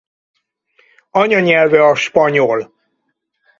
Anyanyelve a spanyol.